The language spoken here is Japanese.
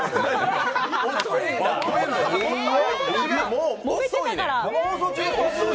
もう遅いねん！